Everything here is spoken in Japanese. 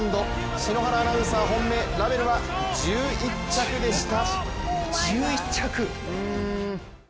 篠原アナウンサー、本命ラヴェルは１１着でした。